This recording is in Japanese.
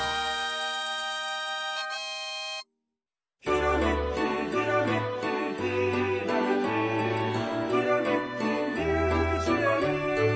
「ひらめきひらめき」「ひらめき」「ひらめきミュージアム！」